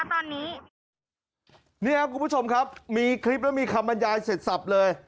นี่ครับคุณผู้ชมครับมีคลิปแล้วมีคำบรรยายเสร็จสับเลย